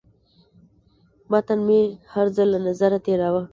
متن مې هر ځل له نظره تېراوه.